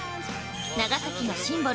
長崎のシンボル